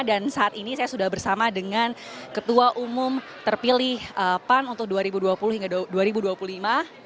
dan saat ini saya sudah bersama dengan ketua umum terpilih pan untuk dua ribu dua puluh hingga dua ribu dua puluh lima